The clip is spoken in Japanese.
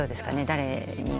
誰に。